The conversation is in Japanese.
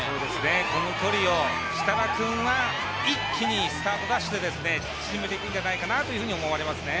この距離を設楽君は一気にスタートダッシュで縮めていくと思われますね。